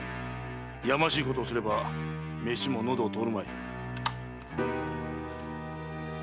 やましいことをすれば飯ものどを通るまい。